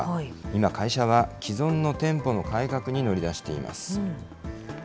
今、会社は既存の店舗の改革に乗り出しています。